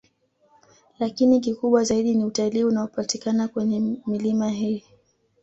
Lakini kikubwa zaidi ni utalii unaopatikana kwenye milima hii